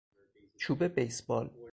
چوب بیسبال